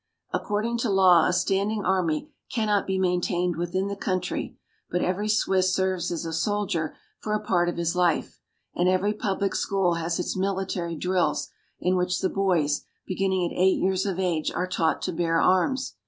According to law a stand ing army cannot be maintained within the country ; but every Swiss serves as a soldier for a part of his life, and THE SWISS PEOPLE. 269 every public school has its military drills, in which the boys, beginning at eight years of age, are taught to bear arms.